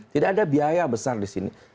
tidak ada biaya besar di sini